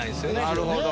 なるほど。